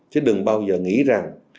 chứ đừng bao giờ nghĩ rằng